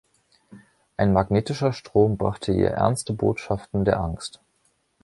Ein magnetischer Strom brachte ihr ernste Botschaften der Angst.